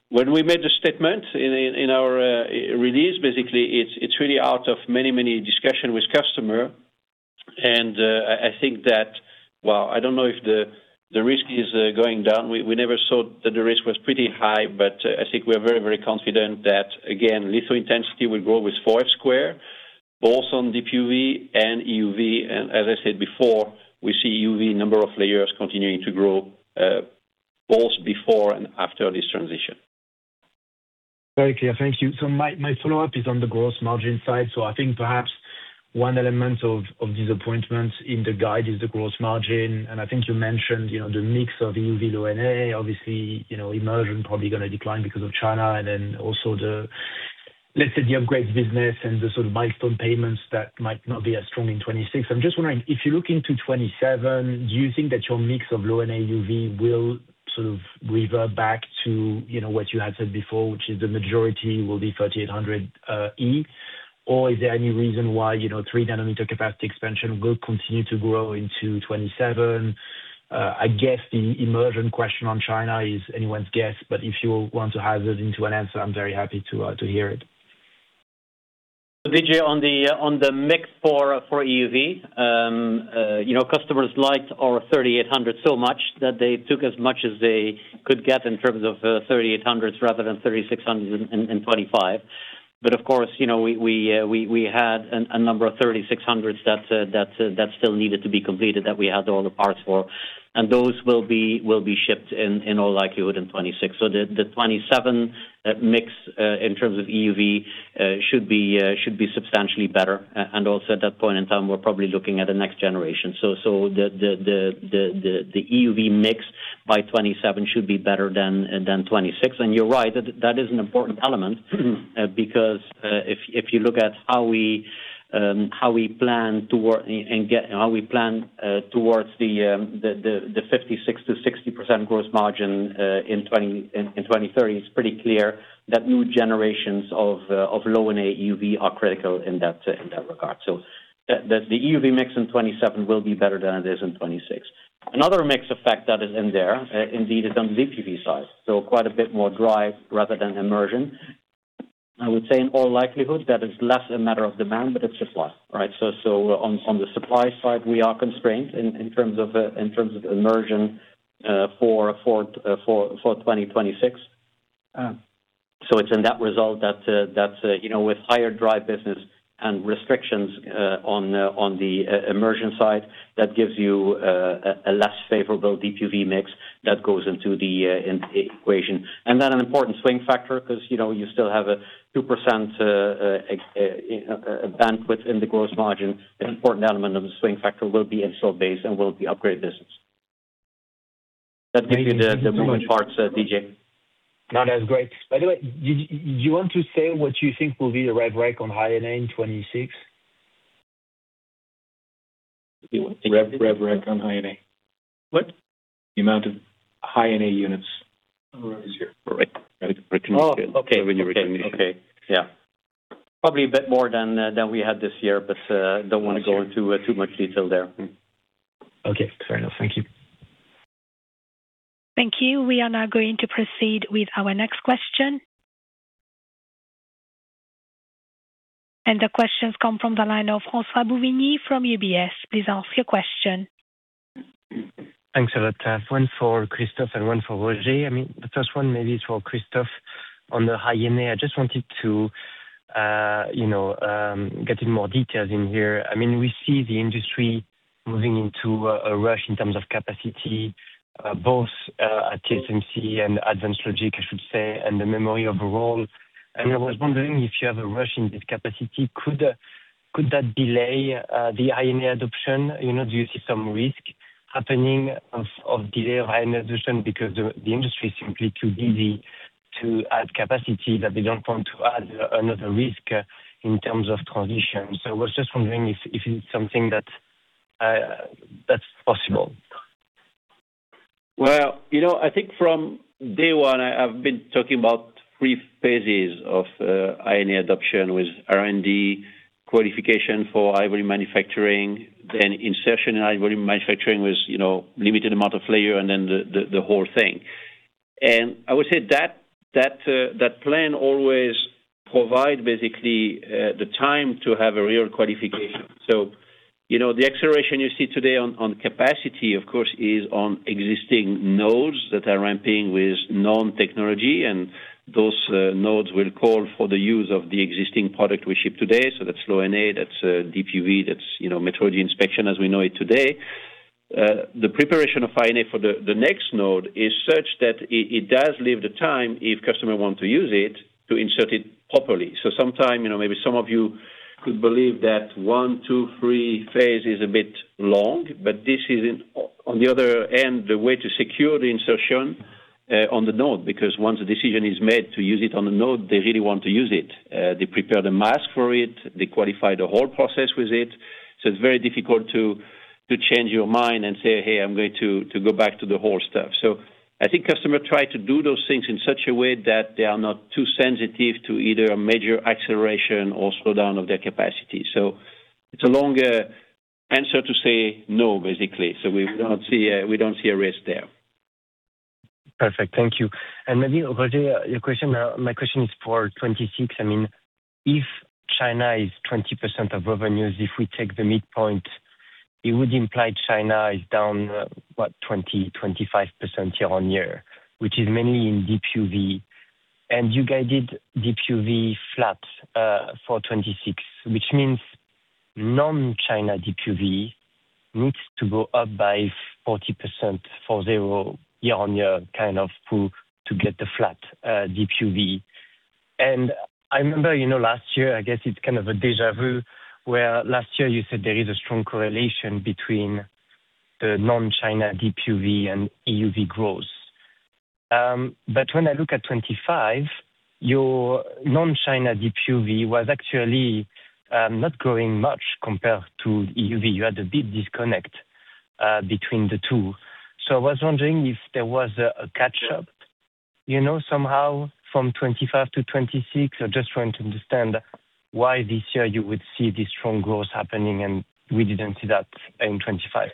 when we made the statement in our release, basically it's really out of many discussions with customer. And I think that... Well, I don't know if the risk is going down. We never thought that the risk was pretty high, but I think we're very confident that, again, litho intensity will grow with 4F², both on Deep UV and EUV. And as I said before, we see EUV number of layers continuing to grow, both before and after this transition. Very clear. Thank you. So my follow-up is on the gross margin side. So I think perhaps one element of these appointments in the guide is the gross margin. And I think you mentioned, you know, the mix of EUV Low-NA. Obviously, you know, immersion probably gonna decline because of China, and then also the, let's say, the upgrades business and the sort of milestone payments that might not be as strong in 2026. I'm just wondering, if you look into 2027, do you think that your mix of Low-NA EUV will sort of revert back to, you know, what you had said before, which is the majority will be 3800E? Or is there any reason why, you know, 3nm capacity expansion will continue to grow into 2027? I guess the immersion question on China is anyone's guess, but if you want to hazard into an answer, I'm very happy to hear it. Didier, on the mix for EUV, you know, customers liked our 3800 so much that they took as much as they could get in terms of 3800s rather than 3600s in 2025. But of course, you know, we had a number of 3600s that still needed to be completed, that we had all the parts for, and those will be shipped, in all likelihood, in 2026. So the 2027 mix in terms of EUV should be substantially better. And also at that point in time, we're probably looking at the next generation. So the EUV mix by 2027 should be better than 2026. You're right, that is an important element, because if you look at how we plan towards the 56%-60% gross margin in 2030, it's pretty clear that new generations of low-NA EUV are critical in that regard. That the EUV mix in 2027 will be better than it is in 2026. Another mix effect that is in there, indeed, is on the DUV side, so quite a bit more dry rather than immersion. I would say in all likelihood, that is less a matter of demand, but it's supply, right? So on the supply side, we are constrained in terms of immersion for 2026. Ah. So it's in that result that that's you know with higher DUV business and restrictions on the immersion side that gives you a less favorable DUV mix that goes into the equation. And then an important swing factor 'cause you know you still have a 2% bandwidth in the gross margin. An important element of the swing factor will be installed base and will be upgrade business. That gives you the moving parts DJ. No, that's great. By the way, did you want to say what you think will be the rev rec on High NA in 2026? Rev, rev rec on High NA. What? The amount of High NA units this year. Right. Okay. Okay. Yeah. Probably a bit more than we had this year, but don't want to go into too much detail there. Okay, fair enough. Thank you. Thank you. We are now going to proceed with our next question. The question comes from the line of François Bouvignies from UBS. Please ask your question. Thanks a lot. I have one for Christophe and one for Roger. I mean, the first one maybe is for Christophe on the High NA. I just wanted to, you know, get in more details in here. I mean, we see the industry moving into a rush in terms of capacity, both at TSMC and advanced logic, I should say, and the memory overall. I was wondering if you have a rush in this capacity, could that delay the High NA adoption? You know, do you see some risk happening of delay of High NA adoption because the industry is simply too busy to add capacity, that they don't want to add another risk in terms of transition? So I was just wondering if it's something that that's possible. Well, you know, I think from day one, I've been talking about three phases of High NA adoption with R&D qualification for high volume manufacturing, then insertion and high volume manufacturing with, you know, limited amount of layer and then the whole thing. And I would say that that plan always provide basically the time to have a real qualification. So, you know, the acceleration you see today on capacity, of course, is on existing nodes that are ramping with known technology, and those nodes will call for the use of the existing product we ship today. So that's Low NA, that's DUV, that's, you know, metrology inspection as we know it today. The preparation of High NA for the next node is such that it does leave the time, if customer want to use it, to insert it properly. So sometimes, you know, maybe some of you could believe that 1, 2, 3 phase is a bit long, but this is, on the other end, the way to secure the insertion on the node, because once a decision is made to use it on the node, they really want to use it. They prepare the mask for it, they qualify the whole process with it. So it's very difficult to change your mind and say, "Hey, I'm going to go back to the whole stuff." So I think customer try to do those things in such a way that they are not too sensitive to either a major acceleration or slowdown of their capacity. It's a longer answer to say no, basically. We don't see a risk there. Perfect. Thank you. And maybe, Roger, your question—my question is for 2026. I mean, if China is 20% of revenues, if we take the midpoint, it would imply China is down, what? 20%-25% year-on-year, which is mainly in DUV. And you guided DUV flat for 2026, which means non-China DUV needs to go up by 40% for 0% year-on-year, kind of, to get the flat DUV. And I remember, you know, last year, I guess it's kind of a déjà vu, where last year you said there is a strong correlation between the non-China DUV and EUV growth. But when I look at 2025, your non-China DUV was actually not growing much compared to EUV. You had a big disconnect between the two. I was wondering if there was a catch-up, you know, somehow from 2025 to 2026, or just trying to understand why this year you would see this strong growth happening and we didn't see that in 2025.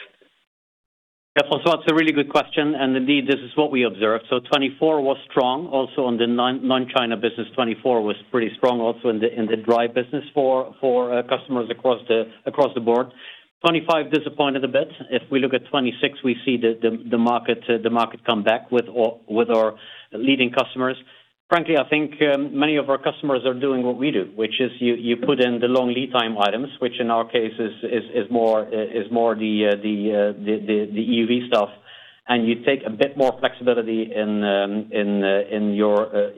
Yeah, François, that's a really good question, and indeed, this is what we observed. So 2024 was strong. Also on the non-China business, 2024 was pretty strong, also in the dry business for customers across the board. 2025 disappointed a bit. If we look at 2026, we see the market come back with all our leading customers. Frankly, I think many of our customers are doing what we do, which is you put in the long lead time items, which in our case is more the EUV stuff, and you take a bit more flexibility in your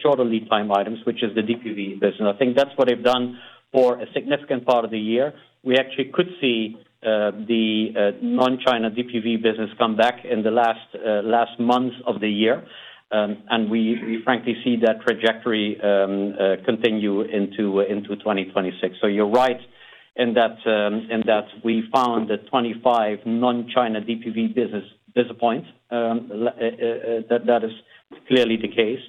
shorter lead time items, which is the DUV business. I think that's what they've done for a significant part of the year. We actually could see the non-China DUV business come back in the last months of the year. And we frankly see that trajectory continue into 2026. So you're right in that we found the 2025 non-China DUV business disappointing. That is clearly the case.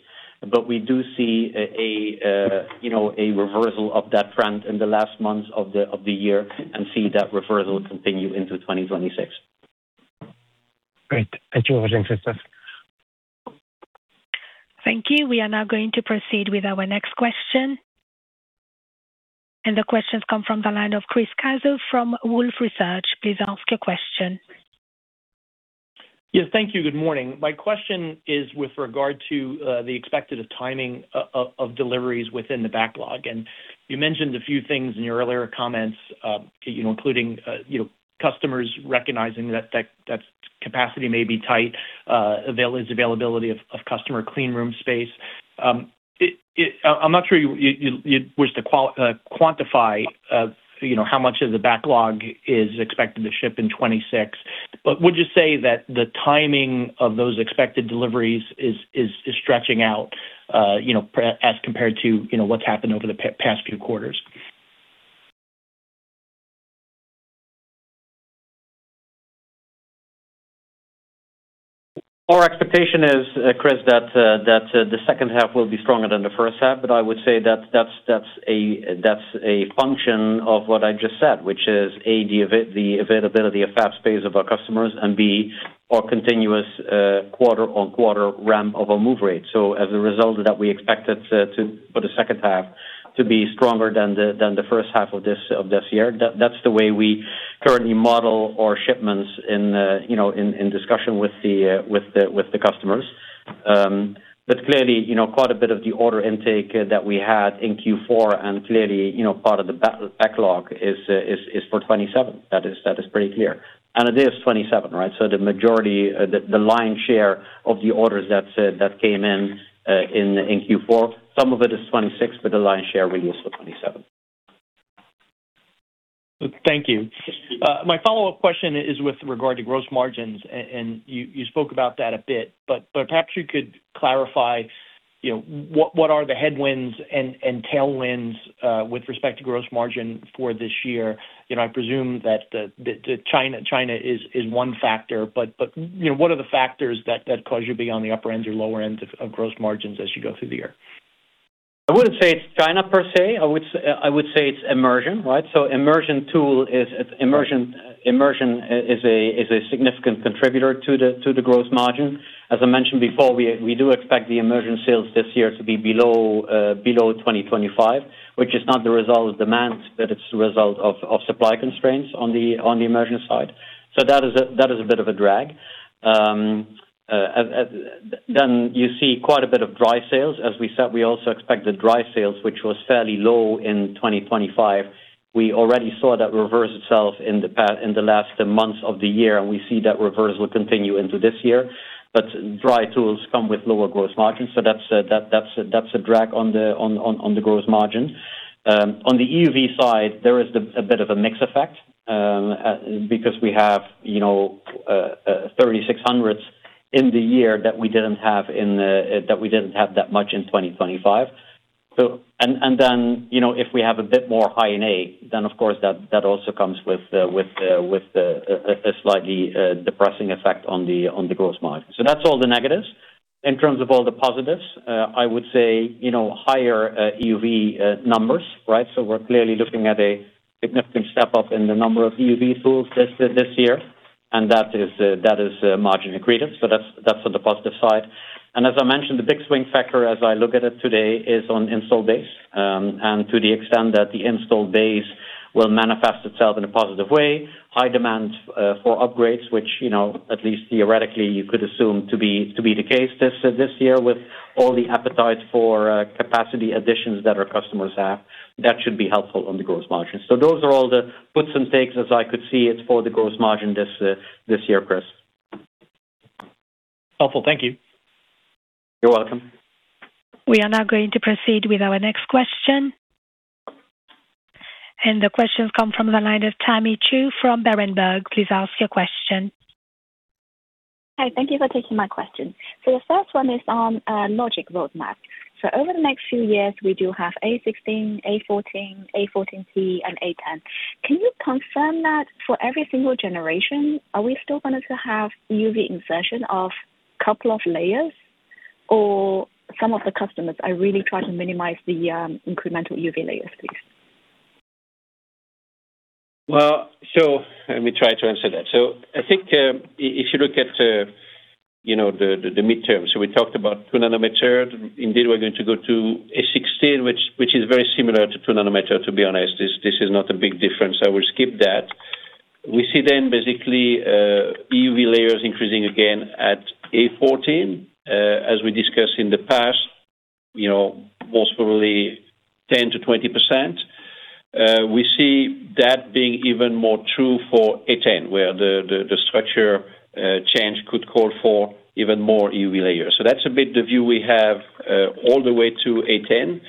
But we do see a you know a reversal of that trend in the last months of the year, and see that reversal continue into 2026. Great. Thank you very much, Christophe. Thank you. We are now going to proceed with our next question. The question comes from the line of Chris Caso from Wolfe Research. Please ask your question. Yes, thank you. Good morning. My question is with regard to the expected timing of deliveries within the backlog, and you mentioned a few things in your earlier comments, you know, including, you know, customers recognizing that capacity may be tight, availability of customer cleanroom space. I'm not sure you wish to quantify, you know, how much of the backlog is expected to ship in 2026. But would you say that the timing of those expected deliveries is stretching out, you know, as compared to, you know, what's happened over the past few quarters? Our expectation is, Chris, that the second half will be stronger than the first half, but I would say that that's a function of what I just said, which is, A, the availability of fab space of our customers, and B, our continuous quarter-on-quarter ramp of our move rate. So as a result, that we expected to, for the second half to be stronger than the first half of this year. That's the way we currently model our shipments in, you know, in discussion with the customers. But clearly, you know, quite a bit of the order intake that we had in Q4, and clearly, you know, part of the backlog is for 2027. That is pretty clear. It is 2027, right? So the majority, the lion's share of the orders that came in in Q4, some of it is 2026, but the lion's share really is for 2027. Thank you. My follow-up question is with regard to gross margins, and you spoke about that a bit, but perhaps you could clarify, you know, what are the headwinds and tailwinds with respect to gross margin for this year? You know, I presume that the China is one factor, but you know, what are the factors that cause you to be on the upper ends or lower ends of gross margins as you go through the year? I wouldn't say it's China per se. I would say, I would say it's immersion, right? So immersion is a significant contributor to the gross margin. As I mentioned before, we do expect the immersion sales this year to be below 2025, which is not the result of demand, but it's the result of supply constraints on the immersion side. So that is a bit of a drag. Then you see quite a bit of dry sales. As we said, we also expect the dry sales, which was fairly low in 2025. We already saw that reverse itself in the last months of the year, and we see that reversal continue into this year. But dry tools come with lower gross margins, so that's a drag on the gross margin. On the EUV side, there is a bit of a mix effect, because we have, you know, 3600s in the year that we didn't have that much in 2025. And then, you know, if we have a bit more High NA, then of course, that also comes with a slightly depressing effect on the gross margin. So that's all the negatives. In terms of all the positives, I would say, you know, higher EUV numbers, right? So we're clearly looking at a significant step up in the number of EUV tools this year, and that is margin accretive. So that's on the positive side. And as I mentioned, the big swing factor as I look at it today is on installed base. And to the extent that the installed base will manifest itself in a positive way, high demand for upgrades, which, you know, at least theoretically, you could assume to be the case this year, with all the appetite for capacity additions that our customers have, that should be helpful on the gross margin. So those are all the puts and takes, as I could see it, for the gross margin this year, Chris. Helpful. Thank you. You're welcome. We are now going to proceed with our next question. The question comes from the line of Tammy Qiu from Berenberg. Please ask your question. Hi, thank you for taking my question. So the first one is on, logic roadmap. So over the next few years, we do have A16, A14, A14T, and A10. Can you confirm that for every single generation, are we still going to have EUV insertion of couple of layers, or some of the customers are really trying to minimize the, incremental EUV layers, please? Well, so let me try to answer that. So I think, if you look at, you know, the midterm, so we talked about 2nm. Indeed, we're going to go to A16, which is very similar to 2nm, to be honest. This is not a big difference, so I will skip that. We see then, basically, EUV layers increasing again at A14. As we discussed in the past, you know, most probably 10%-20%. We see that being even more true for A10, where the structure change could call for even more EUV layers. So that's a bit the view we have, all the way to A10.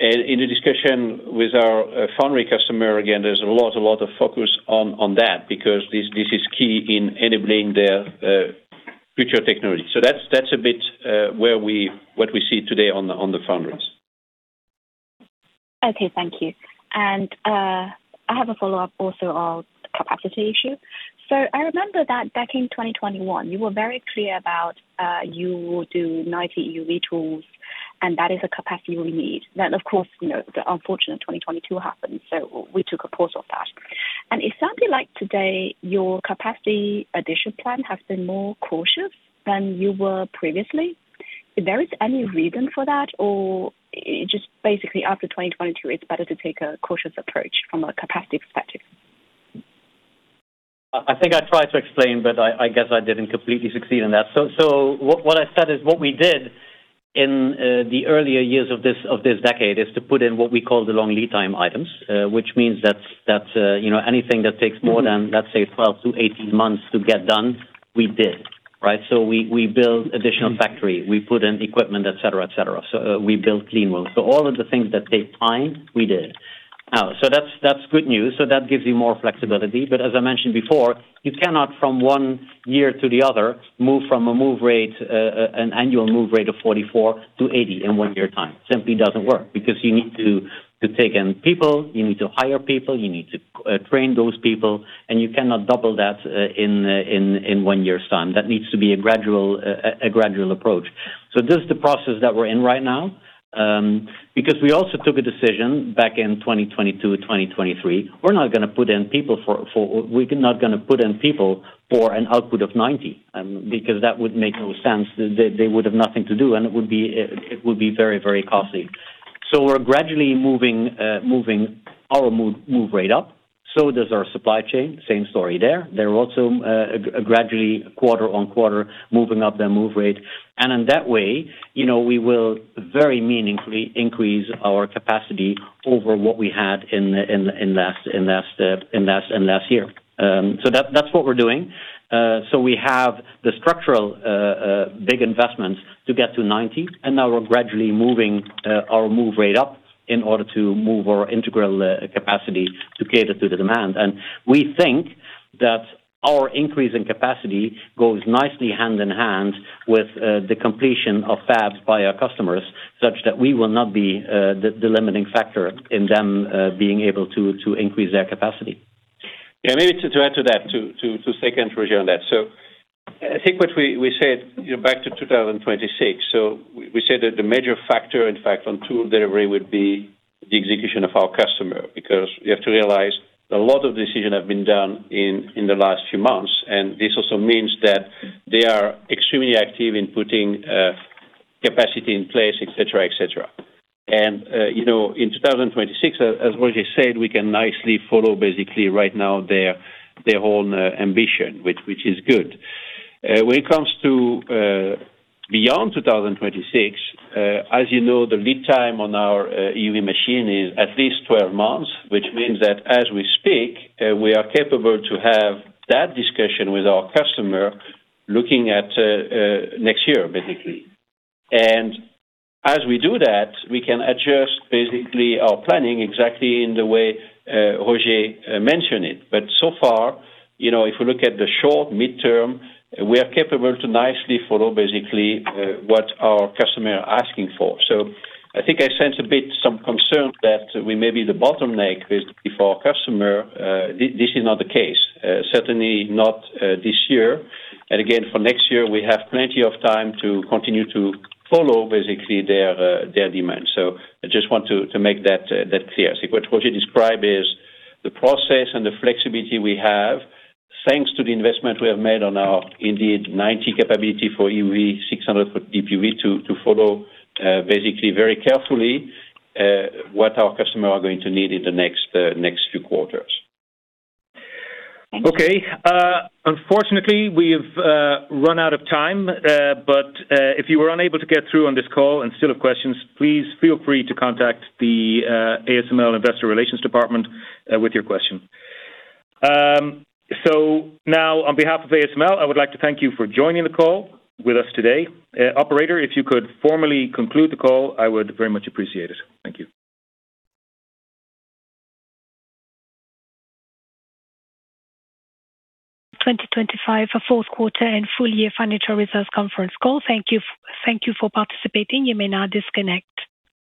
In the discussion with our foundry customer, again, there's a lot of focus on that, because this is key in enabling their future technology. So that's a bit what we see today on the foundries.... Okay, thank you. And, I have a follow-up also on capacity issue. So I remember that back in 2021, you were very clear about, you will do 90 EUV tools, and that is a capacity we need. Then, of course, you know, the unfortunate 2022 happened, so we took a pause of that. And it sounds like today, your capacity addition plan has been more cautious than you were previously. Is there is any reason for that, or it just basically after 2022, it's better to take a cautious approach from a capacity perspective? I think I tried to explain, but I guess I didn't completely succeed in that. So what I said is what we did in the earlier years of this decade is to put in what we call the long lead time items, which means that's, you know, anything that takes more than, let's say, 12 to 18 months to get done, we did, right? So we build additional factory, we put in equipment, et cetera, et cetera. So we built cleanrooms. So all of the things that take time, we did. So that's good news, so that gives you more flexibility. But as I mentioned before, you cannot from one year to the other, move from a move rate, an annual move rate of 44 to 80 in one year time. Simply doesn't work, because you need to take in people, you need to hire people, you need to train those people, and you cannot double that in one year's time. That needs to be a gradual approach. So this is the process that we're in right now, because we also took a decision back in 2022, 2023. We're not gonna put in people for an output of 90, because that would make no sense. They would have nothing to do, and it would be very, very costly. So we're gradually moving our move rate up. So does our supply chain, same story there. They're also gradually, quarter on quarter, moving up their move rate. In that way, you know, we will very meaningfully increase our capacity over what we had in last year. So that's what we're doing. So we have the structural big investments to get to 90, and now we're gradually moving our move rate up in order to move our integral capacity to cater to the demand. We think that our increase in capacity goes nicely hand in hand with the completion of fabs by our customers, such that we will not be the limiting factor in them being able to increase their capacity. Yeah, maybe to add to that, to second Roger on that. So I think what we said, you know, back to 2026, so we said that the major factor, in fact, on tool delivery would be the execution of our customer, because you have to realize that a lot of decision have been done in the last few months, and this also means that they are extremely active in putting capacity in place, et cetera, et cetera. And, you know, in 2026, as Roger said, we can nicely follow basically right now their own ambition, which is good. When it comes to beyond 2026, as you know, the lead time on our EUV machine is at least 12 months, which means that as we speak, we are capable to have that discussion with our customer, looking at next year, basically. And as we do that, we can adjust basically our planning exactly in the way Roger mentioned it. But so far, you know, if you look at the short midterm, we are capable to nicely follow basically what our customer are asking for. So I think I sense a bit some concern that we may be the bottleneck basically for our customer. This is not the case. Certainly not this year. And again, for next year, we have plenty of time to continue to follow basically their demand. So I just want to make that clear. I think what Roger described is the process and the flexibility we have, thanks to the investment we have made on our indeed 90 capability for EUV, 600 for DUV to follow basically very carefully what our customer are going to need in the next few quarters. Thank you. Okay. Unfortunately, we've run out of time, but if you were unable to get through on this call and still have questions, please feel free to contact the ASML Investor Relations department with your question. So now, on behalf of ASML, I would like to thank you for joining the call with us today. Operator, if you could formally conclude the call, I would very much appreciate it. Thank you. 2025 fourth quarter and full year financial results conference call. Thank you for participating. You may now disconnect.